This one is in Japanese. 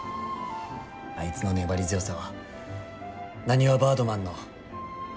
あいつの粘り強さはなにわバードマンの大事な武器です。